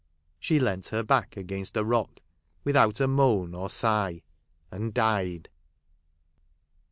She leant her back against a rock, without a moan or sigh, and died